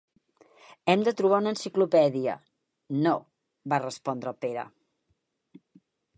Hem de trobar una enciclopèdia, no? —va respondre el Pere.